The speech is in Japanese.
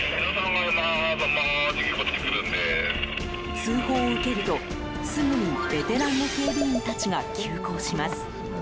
通報を受けると、すぐにベテランの警備員たちが急行します。